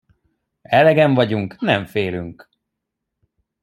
Elegen vagyunk, nem félünk!